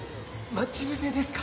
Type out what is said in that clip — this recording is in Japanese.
待ち伏せですか？